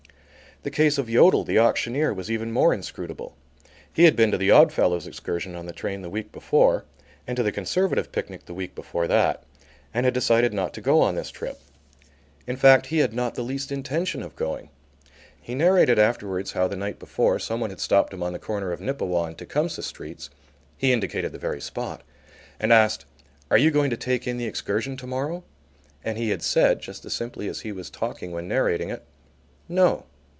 The case of Yodel, the auctioneer, was even more inscrutable. He had been to the Oddfellows' excursion on the train the week before and to the Conservative picnic the week before that, and had decided not to go on this trip. In fact, he had not the least intention of going. He narrated afterwards how the night before someone had stopped him on the corner of Nippewa and Tecumseh Streets (he indicated the very spot) and asked: "Are you going to take in the excursion to morrow?" and he had said, just as simply as he was talking when narrating it: "No."